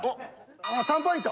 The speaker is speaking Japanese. ３ポイント。